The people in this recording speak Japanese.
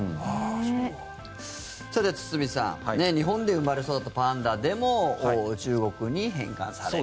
さて、堤さん日本で生まれ育ったパンダでも中国に返還される。